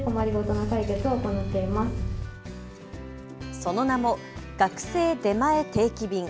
その名も学生出前定期便。